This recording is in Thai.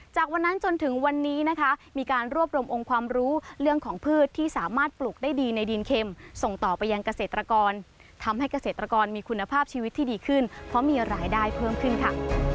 จากวันนั้นจนถึงวันนี้นะคะมีการรวบรวมองค์ความรู้เรื่องของพืชที่สามารถปลูกได้ดีในดินเข็มส่งต่อไปยังเกษตรกรทำให้เกษตรกรมีคุณภาพชีวิตที่ดีขึ้นเพราะมีรายได้เพิ่มขึ้นค่ะ